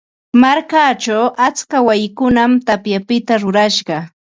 Markachaw atska wayikunam tapyapita rurashqa.